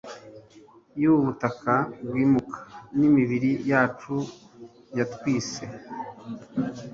y'ubu butaka bwimuka n'imibiri yacu yatwitse